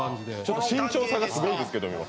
身長差がすごいですけど。